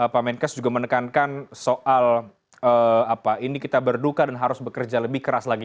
pak menkes juga menekankan soal ini kita berduka dan harus bekerja lebih keras lagi